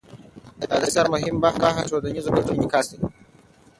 د ادبي اثر مهم بحث د ټولنیزو ګټو انعکاس دی.